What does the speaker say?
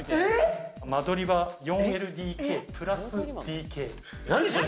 間取りは４ＬＤＫプラスＤＫ。